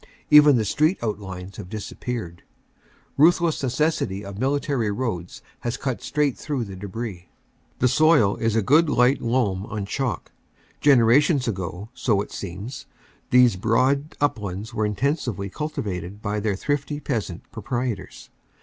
Even the street outlines have disappeared; ruthless necessity of military roads has cut straight through the debris. The soil is a good light loam on chalk. Generations ago so it seems these broad uplands were intensively cultivated by their thrifty peasant proprietors.